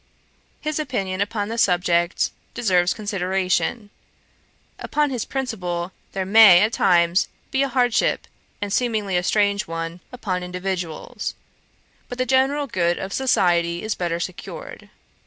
His opinion upon this subject deserves consideration. Upon his principle there may, at times, be a hardship, and seemingly a strange one, upon individuals; but the general good of society is better secured.